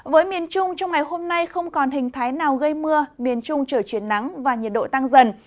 với miền trung trong ngày hôm nay không còn hình thái nào gây mưa miền trung trở chuyển nắng và nhiệt độ tăng dần